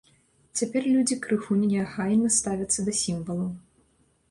Цяпер людзі крыху неахайна ставяцца да сімвалаў.